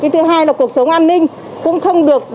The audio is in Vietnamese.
thứ hai là cuộc sống an ninh